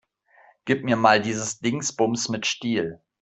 Gib mir mal dieses Dingsbums mit Stiel.